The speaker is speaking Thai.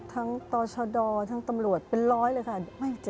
ต่อชดทั้งตำรวจเป็นร้อยเลยค่ะ